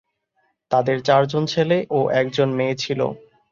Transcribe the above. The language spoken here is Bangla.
তাদের চারজন ছেলে ও একজন মেয়ে ছিল।